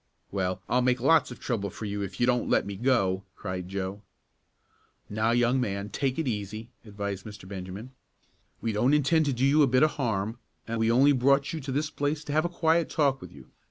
"Well, I'll make lots of trouble for you, if you don't let me go!" cried Joe. "Now, young man, take it easy," advised Mr. Benjamin. "We don't intend to do you a bit of harm, and we only brought you to this place to have a quiet talk with you.